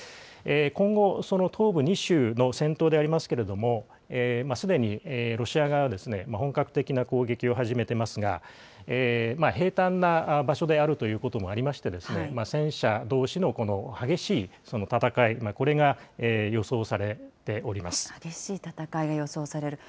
今後、東部２州の戦闘でありますけれども、すでにロシア側は、本格的な攻撃を始めてますが、平坦な場所であるということもありまして、戦車どうしの激しい戦激しい戦いが予想される。